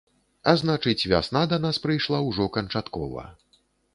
А значыць, вясна да нас прыйшла ўжо канчаткова.